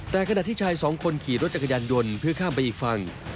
แต่ขณะที่ชายสองคนขี่รถจักรยานยนต์เพื่อข้ามไปอีกฝั่ง